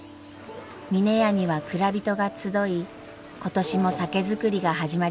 峰屋には蔵人が集い今年も酒造りが始まります。